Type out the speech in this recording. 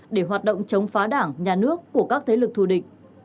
để hoạt động chống phá đảng nhà nước của các thế lực thù địch